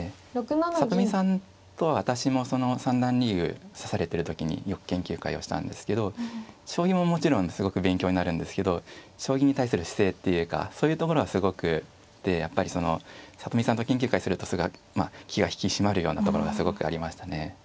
里見さんとは私もその三段リーグ指されてる時によく研究会をしたんですけど将棋ももちろんすごく勉強になるんですけど将棋に対する姿勢っていうかそういうところはすごくってやっぱりその里見さんと研究会すると気が引き締まるようなところがすごくありましたね。